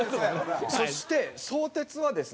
そして相鉄はですね